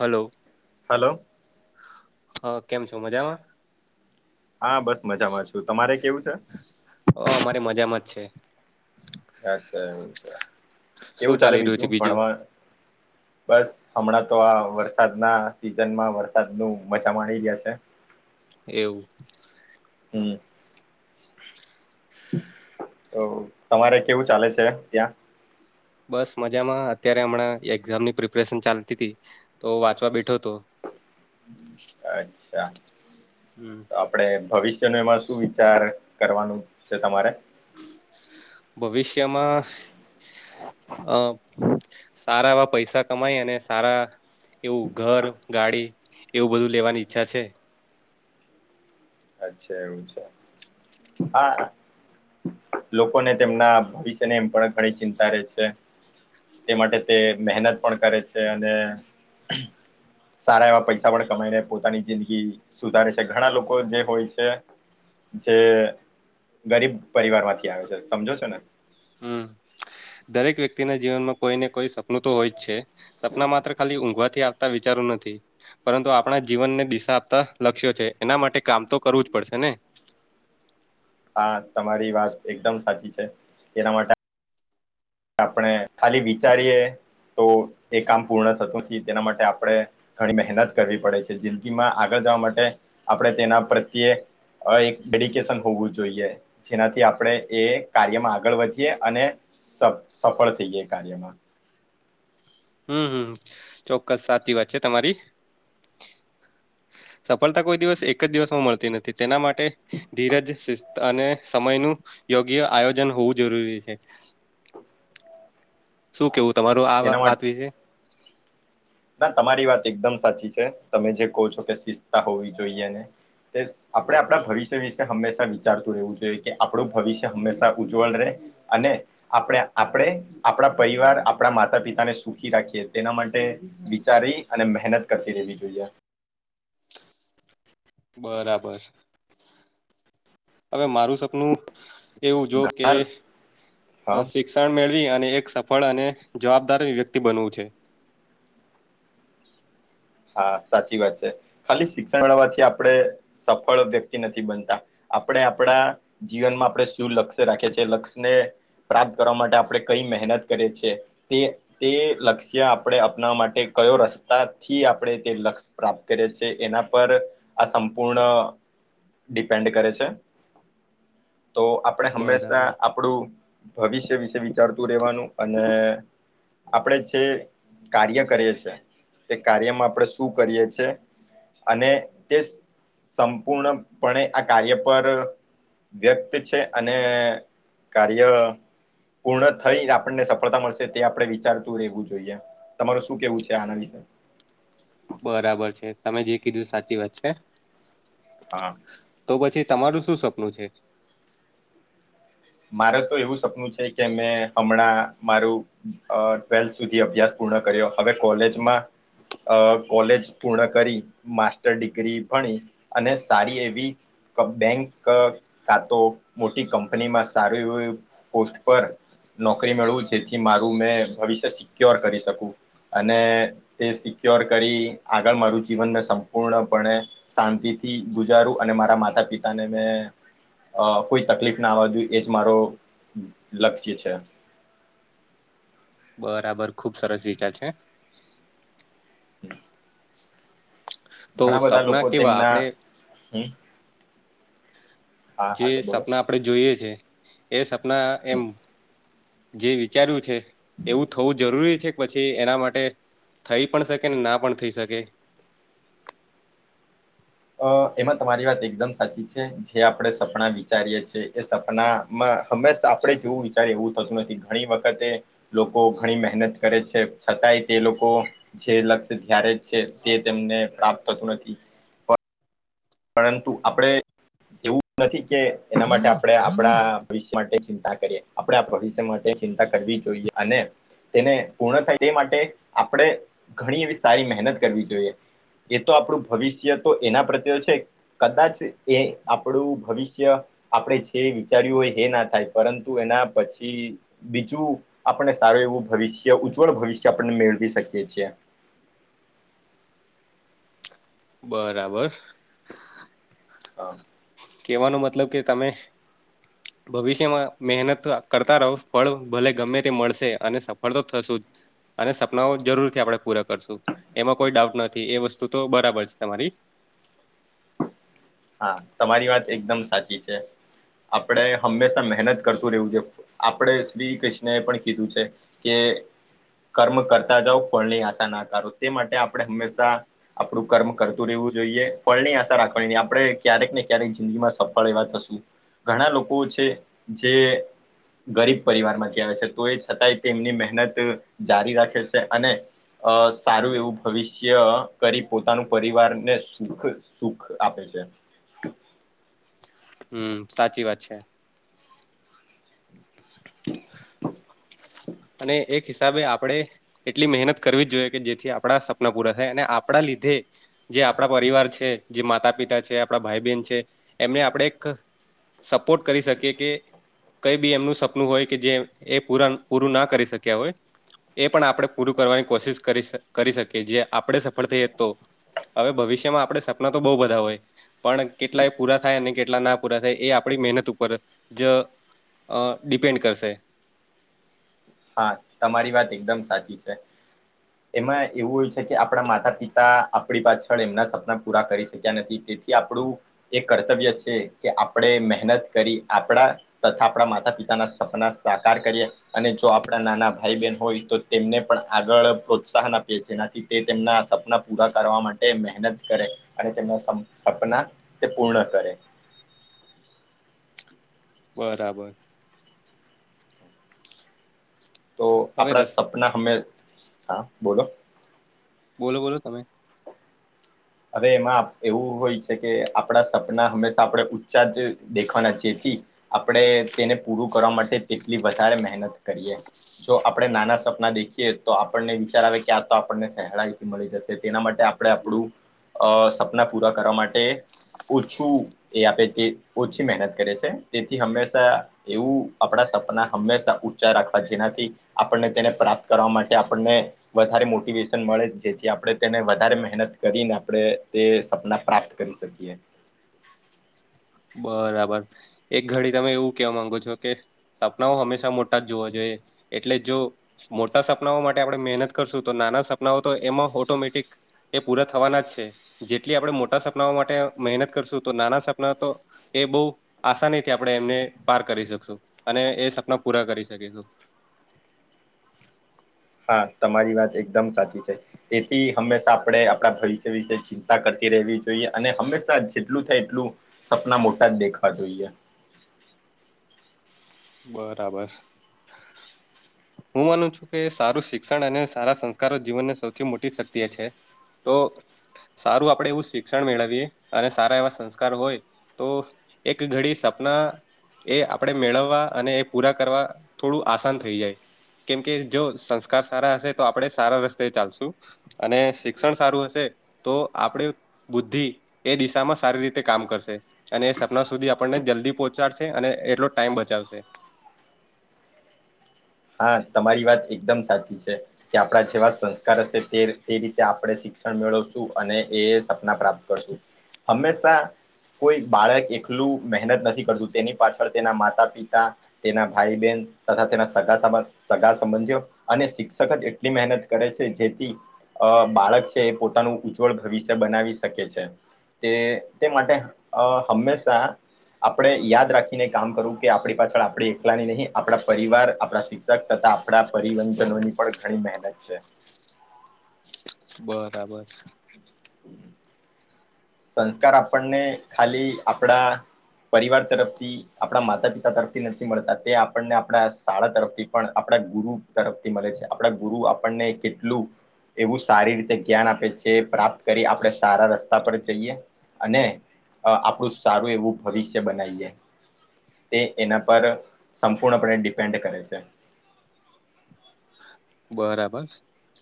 Hello, hello હ કેમ છો મજામાં? હા, બસ મજામાં છું તમારે કેવું છે? અહ અમારે મજામાં જ છે. અચ્છા એઉ છે શું કેવું ચાલે ચાલી રહ્યું છે બીજું ભણવા બસ હમણાં તો આ વરસાદના સીઝનમાં વરસાદનું મજા માણી રહયા છે. એવું હમ [unintelligible] ઓહ તમારે કેવું ચાલે છે ત્યાં બસ મજામાં અત્યારે હમણાં એક્ઝામની પ્રિપેરેશન ચાલતી હતી તો વાંચવા બેઠો હતો અચ્છા હમ તો આપડે ભવિષ્યનો એમાં શું વિચાર કરવાનું છે તમારે ભવિષ્યમાં આહ સારા એવા પૈસા કમાય અને સારા એવું ઘર ગાડી એવું બધું લેવાની ઈચ્છા છે અચ્છા એવું છે હા લોકોને તેમના ભવિષ્યને એમ પણ ઘણી ચિંતા રે છે તે માટે તે મહેનત પણ કરે છે અને સારા એવા પૈસા પણ કમાઈને પોતાની જિંદગી સુધારે છે ઘણા લોકો જે હોય છે જે ગરીબ પરિવાર માંથી આવે છે સમજો છો ને હમ દરેક વ્યક્તિના જીવનમાં કોઈ ને કોઈ સપનું તો હોય જ છે સપના માત્ર ખાલી ઊંઘવાથી આપતા વિચારો નથી પરંતુ આપણા જીવનને દિશા આપતા લક્ષ્યો છે એના માટે કામ તો કરવું જ પડશે ને હા તમારી વાત એકદમ સાચી છે એના માટે આપણે ખાલી વિચારીએ તો એ કામ પૂર્ણ થતું નથી તેના માટે આપણે ઘણી મહેનત કરવી પડે છે જિંદગીમાં આગળ જવા માટે આપણે તેના પ્રત્યે અ એક ડેડિકેશન હોવું જોઈએ જેનાથી આપણે એ કાર્યમાં આગળ વધીએ અને સ-સફળ થઈ જય કાર્યમાં હમ હમ ચોક્કસ સાચી વાત છે તમારી સફળતા કોઈ દિવસ એક જ દિવસમાં મળતી નથી તેના માટે ધીરજ શિસ્ત અને સમયનું યોગ્ય આયોજન હોવું જરૂરી છે શું કેવું તમારું આ તેના માટે વાત વિશે ના તમારી વાત એકદમ સાચી છે તમે જે કહો છો કે શિસ્તતા હોવી જોઈએ અને [unintelligible] આપણે હમ, આપણા ભવિષ્ય વિશે હંમેશા વિચારતું રહેવું જોઈએ કે આપણું ભવિષ્ય હંમેશા ઉજ્જવલ રહે અને આપડે આપડે આપણા પરિવાર આપણા માતા પિતાને સુખી રાખીએ તેના માટે વિચારી અને મહેનત કરતી રહેવી જોઈએ. બરાબર હવે મારું સપનું એવું જો કે ઘણા હા [unintelligible] શિક્ષણ મેળવી અને એક સફળ અને જવાબદાર વ્યક્તિ બનવું છે હા સાચી વાત છે ખાલી શિક્ષણ મેળવાથી આપણે સફળ વ્યક્તિ નથી બનતા આપણે આપણા જીવનમાં આપણે શું લક્ષ્ય રાખીએ છીએ લક્ષ્યને પ્રાપ્ત કરવા માટે આપણે કઈ મહેનત કરીએ છીએ તે તે લક્ષ્ય આપણે અપનાવા માટે કયો રસ્તાથી આ આપણે તે લક્ષ્ય પ્રાપ્ત કરીએ છીએ એના પર આ સંપૂર્ણ ડિપેન્ડ કરે છે તો આપણે હંમેશા બરાબર આપણું ભવિષ્ય વિશે વિચારતું રેવાનું અને આપણે જે કાર્ય કરીએ છે એ તે કાર્યમાં આપણે શું કરીએ છે અને તે સંપૂર્ણપણે આ કાર્ય પર વ્યક્ત છે અને કાર્ય પૂર્ણ થઈને આપણને સફળતા મળશે તે આપણે વિચારતું રહેેવું જોઈએ તમાર શું કેવું છે આના વિશે બરાબર છે તમે જે કીધું સાચી વાત છે હા તો પછી તમારુ શું સપનું છે મારે તો એવું સપનું છે કે મેં હમણાં મારું અ ટ્વેલ્થ સુધી અભ્યાસ પૂર્ણ કર્યો હવે કોલેજમાં અ કોલેજ પૂર્ણ કરી માસ્ટર ડિગ્રી ભણી અને સારી એવી ક બેંક ખાતો મોટી કંપનીમાં સ સારું એવું એ પોસ્ટ પર નોકરી મળવું જેથી મારું મેં ભવિષ્ય સિક્યોર કરી શકું અને તે સિક્યોર કરી આગળ મારું જીવનને સંપૂર્ણપણે શાંતિ થી ગુજારું અને મારા માતા પિતા ને મેં અ કોઈ તકલીફ ના આવવા દ એજ મારો લક્ષ્ય છે. બરાબર ખુબ સરસ વિચાર છે [inaudible] તો ઘણા બધા સપના લોકો કેવા તેમના આપણે હ જે બોલો સપના આપણેે જોઈએ છે એ સપના હ એમ જે વિચાર્યું છે એવું થવું જરૂરી છે પછી એના માટે થઈ પણ સકે ને ના પણ થઈ સકે અ એમાં તમારી વાત એકદમ સાચી છે જે આપણે સપણા વિચારીએ છે એ સપના હંમેશા આપણે જેવું વિચારિયે એવું થતું નથી ઘણી વખતે લોકો ઘણી મહેનત કરે છે છતાંય તે લોકો જે લક્ષ્ય ધ્યારે છે તે તેમને પ્રાપ્ત થતું નથી પરંતુ આપણે એવું નથી કે એના માટે આપણે આપણા ભવિષ્ય માટે ચિંતા કરીએ આપડણે આ ભવિષ્ય માટે ચિંતા કરવી જોઈએ અને તેને પૂર્ણ થાય તે માટે આપણે ઘણી એવી સારી મહેનત કરવી જોઈએ એ તો આપણું ભવિષ્ય તો એના પ્રત્ય છે કદાચ્ચ એ આપણું ભવિષ્ય આપણે જે વિચાર્યું હોય એ ના થાય પરંતુ એના પછી બીજું આપણને સારું એવું ભવિષ્ય ઉજ્જવળ ભવિષ્ય આપણને મેળવી શકીએ છીએ બરાબર હા કેહવાનો મતલબ કે તમે ભવિષ્યમાં મહેનત કરતા રહો ફળ ભલે ગમે તે મળસે અને સફળ તો થસુ જ અને સપનાઓ જરૂરથી આપણે પૂરા કરસું એમાં કોઈ ડાઉટ નથી એ વસ્તુ તો બરાબર સે તમારી હા તમારી વાત એકદમ સાચી છે આપડે હંમેશા મહેનત કરતું રહેવું જો આપડે શ્રી કૃષ્ણ એ પણ કીધું છે કે કર્મ કરતા જઓ ફળની આસા ના કરો તે માટે આપણે હંમેસા આપડું કર્મ કરતું રહેવું જોઈએ ફળ ની આસા રાખવાની નઈ આપણે ક્યારેક ને ક્યારેક જિંદગીમાં સફળ એવા થસુ ઘણા લોકો છે જે ગરીબ પરિવાર માંથી આવે છે તો એ છતાંય તેમની મહેનત જારી રાખે છે અને અ સારું એવું ભવિષ્ય કરી પોતાનું પરિવારને સુખ સુખ આપે છે હમ્મ સાચી વાત છે. અને એક હિસાબે આપડે એટલી મહેનત કરવી જ જોઈએ કે જેથી આપણા સપના પૂરા થાય અને આપણા લીધે જે આપણા પરિવાર છે જે માતા પિતા છે આપણા ભાઈ બહેન છે એમને આપણે એક સપોર્ટ કરી શકી કે કઈ બી એમનું સપ નું હોય જે એ પુરા પૂરું ના કરી શક્યા હોય એ પણ આપણે પૂરું કરવાની કોશિશ કરી કરી શકીએ જે આપણે સફળ થઈએ તો હવે ભવિષ્યમાં આપડે સપના તો બહુ બધા હોય પણ કેટલા એ પૂરા થાય અને કેટલા ના પૂરા થાય એ આપણી મહેનત ઉપર જ અ ડિપેન્ડ કરશે હા તમારી વાત એકદમ સાચી છે. એમાં એવું હોય છે કે આપણા માતા પિતા આપણી પાછળ એમના સપના પૂરા કરી શક્યા નથી કે કે આપણું એ કર્તવ્ય છે કે આપણે મહેનત કરી આપડા તથા આપણા માતા પિતાના સપના સાકાર કરીએ અને જો આપણા નાના ભાઈ બહેન હોય તો તેમને પણ આગળ પ્રોત્સાહન આપીએ છી એનાથી તે તેમના સપના પૂરા કરવા માટે મહેનત કરે અને તેમના સમ સપના તે પૂર્ણ કરે. બરાબર તો હવે આપડા રસ સપના હમે હા બોલો બોલો બોલો તમે હવે એમાં એવું હોય છે કે આપણા સપના હંમેશા આપણે ઊંચા જ દેખવાના જેથી આપણે તેને પૂરું કરવા માટે તેટલી વધારે મહેનત કરીએ જો આપણે નાના સપના દેખીએ તો આપણને વિચાર આવે કે આ તો આપણને સહેલાાઈથી મળી જશે તેના માટે આપ આપડે આપણું અહ સપના પૂરા કરવા માટે ઓછું એ આપે તે ઓછી મહેનત કરે છે તેથી હંમેશા એવું આપણા સપના હંમેશા ઊંચા રાખવા જેનાથી આપણને તેને પ્રાપ્ત કરવા માટે આપણને વધારે મોટિવેશન મળે જેથી આપણે તેને વધારે મહેનત કરીના આપડે તે સપના પ્રાપ્ત કરી શકીએ. બરાબર એક ઘડી તમે એવું કેવા માંગો છો કે સપનાઓ હંમેશા મોટા જ જોવા જોઈએ. એટલે જો મોટા સપનાઓ માટે આપણે મહેનત કરશું તો નાના સપનાઓ તો એમાં ઓટોમેટિક એ પૂરા થવાના જ છે જેટલી આપણે મોટા સપનાઓ માટે મહેનત કરશું તો નાના સપના તો એ બહુ આસાનીથી આપણે એમને પાર કરી શકશું. અને એ સપના પૂરા કરી શકીશું. હા તમારી વાત એકદમ સાચી છે. તેથી હંમેશા આપણે આપણા ભવિષ્ય વિશે ચિંતા કરતી રહેવી જોઈએ અને હંમેશા જેટલું થાય એટલું સપના મોટા જ દેખવા જોઈએ. બરાબર. હું માનું છું કે સારું શિક્ષણ અને સારા સંસ્કારો જીવનની સૌથી મોટી શક્તિએ છે. તો સારું આપણે એવું શિક્ષણ મેળવીએ અને સારા એવા સંસ્કાર હોય તો એક ઘડી સપના એ આપણેે મેળવવા અને એ પૂરા કરવા થોડું આસાન થઈ જાય કેમકે જો સંસ્કાર સારા હશે તો આપણેે સારા રસ્તે ચાલશુ. અને શિક્ષણ સારું હશે તો આપણે બુદ્ધિ એ દિશામાં સારી રીતે કામ કરશે અને એ સપના સુધી આપણને જલ્દી પહોંચાડશે અને એટલો ટાઈમ બચાવશે હા તમારી વાત એકદમ સાચી છે, કે આપડા જેવા સંસ કાર હશે તે રીતે આપણે શિક્ષણ મેળવશું અને એ સપના પ્રાપ્ત કરશું હંમેશા. કોઈ બાળક એકલું મહેનત નથી કરતું તેની પાછળ તેના માતા પિતા તેના ભાઈ બહેન તથા તેના સગા સબ સગા સંબંધીઓ અને શિક્ષક જ એટલી મહેનત કરે છે, જેથી અ બાળક છે, એ પોતાનું ઉજ્જવળ ભવિષ્ય બનાવી શકે છે. તે તે માટે અ હંમેશા આપણે યાદ રાખીને કામ કરવું કે આપણી પાછળ આપણી એકલાની નહી આપણા પરિવાર આપણા શિક્ષક તથા આપણા પરિવનજનોની પણ ઘણી મહેનત છે. બરાબર. [inaudible] સંસ્કાર આપણને ખાલી આપડા પરિવાર તરફથી આપણા માતા પિતા તરફથી નથી મળતા તે આપણને આપણા શાળા તરફથી પણ આપણા ગુરુ તરફથી મલે છે, આપડા ગુરુ આપણને કેટલું એવું સારી રીતે જ્ઞાન આપે છે, પ્રા કરી આપણે સારા રસ તા પર જઈએ અને અ આપણું સારું એવું ભવિષ્ય બનાવીએ તે એના પર સંપૂર્ણપણે ડિપેન્ડ કરે છે. બરાબર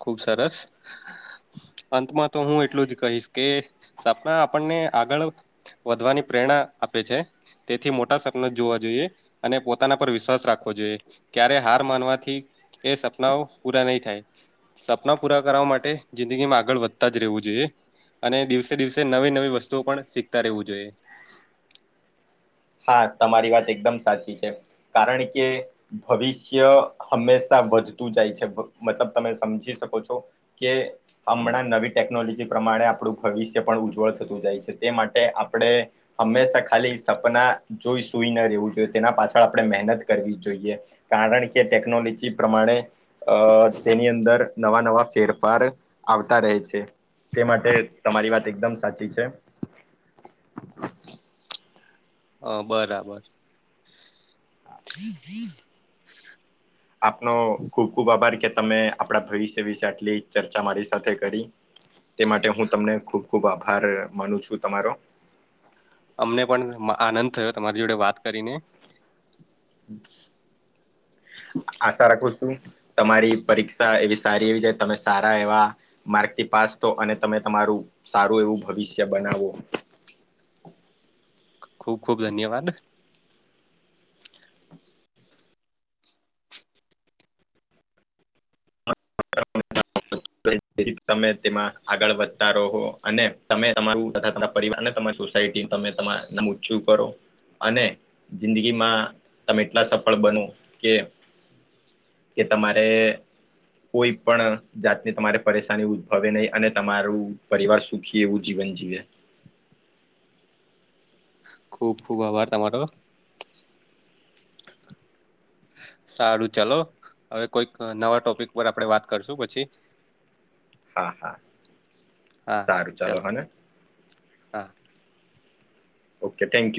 ખુબ સરસ અંતમાં તો હું એટલું જ કહીશ કે સપના આપણને આગળ વધવાની પ્રેરણા આપે છે. તેથી મોટા સપના જોવા જોઈએ અને પોતાના પર વિશ્વાસ રાખવો જોઈએ ક્યારે હાર માનવાથી એ સપનાઓ પૂરા નહી થાય સપના પૂરા કરવા માટે જિંદગીમાં આગળ વધતા જ રહેવું જોઈએ. અને દિવસે દિવસે નવી નવી વસ્તુઓ પણ શીખતા રહેવું જોઈએ હા તમારી વાત એકદમ સાચી છે, કારણ કે ભવિષ્ય હંમેશા વધતું જાય છે, મતલબ તમે સમજી શકો છો કે અમણાં નવી ટેકનોલોજી પ્રમાણે આપણું ભવિષ્ય પણ ઉજ્જવળ થતું જાય છે, તે માટે આપણે હંમેશા ખાલી સપના જોઈ સુઈ ન રહેવું જોઈએ તેના પાછળ આપણે મહેનત કરવી જોઈએ. કારણ કે ટેકનોલોજી પ્રમાણે અ તેની અંદર નવા નવા ફેરફાર આવતા રહે છે. તે માટે તમારી વાત એકદમ સાચી છે. અ બરાબર આપનો ખૂબ ખૂબ આભાર કે તમે આપણા ભવિષ્ય વિશે આટલી ચર્ચા મારી સાથે કરી [inaudible] તે માટે હું તમને ખૂબ ખૂબ આભાર માનું છું તમારો અમને પણ આનંદ થયો તમારી જોડે વાત કરીને આશા રાખું છું તમારી પરીક્ષા એવી સારી એવી જાય તમે સારા એવા માર્કથી પાસ તો અને તમે તમારું સારું એવું ભવિષ્ય બનાવો ખૂબ ખુબ ધન્યવાદ [inaudible] [unintelligible] તમે તેમાં આગળ વધતા રહો અને તમે તમારું તથા તમારા પરિવાર ને [unintelligible] [unintelligible] તમે તમા છું કરો અને જિંદગીમાં તમે એટલા સફળ બનો કે કે તમારે કોઈ પણ જાતને તમારે પરેશાની ઉદ્ભવે નહીં અને તમારું પરિવાર સુખી એવું જીવન જીવે ખુબ ખુબ આભાર તમારો સારું ચાલો હવે કોઈક નવા ટોપિક પર આપડે વાત કરશું પછી હા હા હા સારું ચાલો ચલો હને હા ઓકે થેન્કયુ